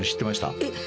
えっ？